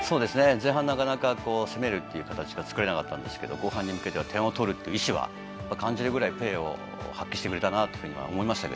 前半、なかなか攻めるという形が作れなかったんですけど後半に向けては点を取るという意思は感じるくらいいいプレーを発揮してくれたなと思います。